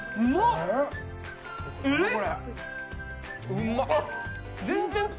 うまっ！